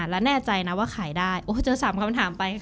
แล้วแน่ใจนะว่าขายได้เจอ๓คำถามไป